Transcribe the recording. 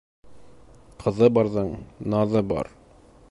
Ҡыҙы барҙың наҙы бар.